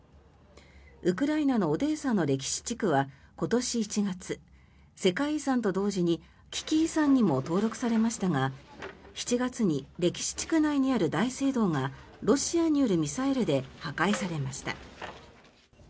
ウクライナのオデーサの歴史地区は今年１月世界遺産と同時に危機遺産にも登録されましたが７月に歴史地区内にある大聖堂がロシアによるミサイルで破壊されました。